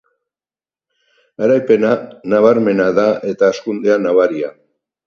Garapena “nabarmena” da, eta hazkundea nabaria